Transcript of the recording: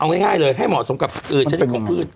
เอาง่ายเลยให้เหมาะสมกับชนิดของพืช